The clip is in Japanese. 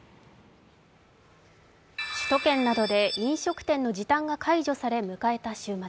首都圏などで飲食店の時短が解除され迎えた週末。